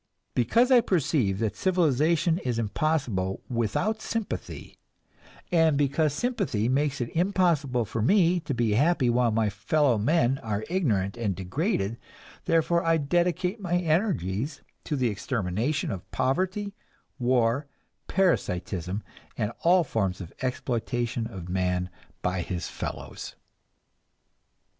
Because I perceive that civilization is impossible without sympathy, and because sympathy makes it impossible for me to be happy while my fellow men are ignorant and degraded, therefore I dedicate my energies to the extermination of poverty, war, parasitism and all forms of exploitation of man by his fellows.